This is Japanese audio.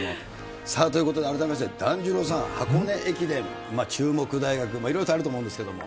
ということで、改めまして、團十郎さん、箱根駅伝、注目大学もいろいろとあると思うんですけ